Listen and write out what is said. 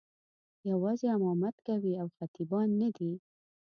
یوازې امامت کوي او خطیبان نه دي.